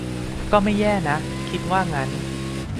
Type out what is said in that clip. ก็ไม่แย่นะ คิดว่างั้น